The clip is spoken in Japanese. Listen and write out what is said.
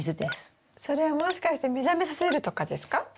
それはもしかして目覚めさせるとかですか？